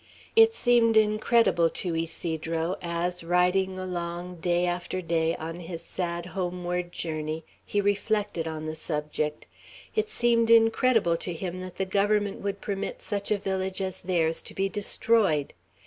It seemed incredible to Ysidro, as, riding along day after day, on his sad homeward journey, he reflected on the subject, it seemed incredible to him that the Government would permit such a village as theirs to be destroyed.